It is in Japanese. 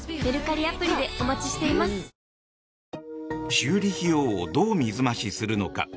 修理費用をどう水増しするのか。